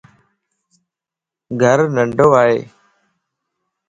گھر ننڍو ائي